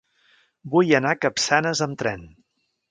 Vull anar a Capçanes amb tren.